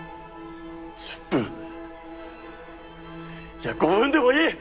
１０分いや５分でもいい！